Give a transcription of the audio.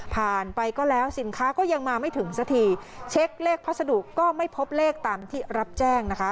ไปก็แล้วสินค้าก็ยังมาไม่ถึงสักทีเช็คเลขพัสดุก็ไม่พบเลขตามที่รับแจ้งนะคะ